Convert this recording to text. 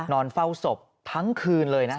นอนเฝ้าศพทั้งคืนเลยนะ